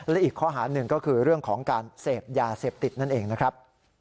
และอีกข้อหาหนึ่งก็คือเรื่องของการเสพยาเสพติดนั่นเองนะครับ